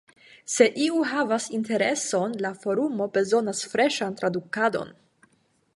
Se iu havas intereson, la forumo bezonas freŝan tradukadon.